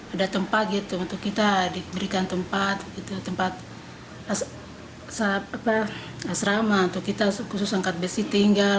ada tempat gitu untuk kita diberikan tempat asrama untuk kita khusus angkat besi tinggal